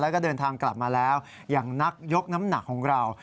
แล้วก็เดินทางกลับมาแล้วอย่างนักยกน้ำหนักของเรา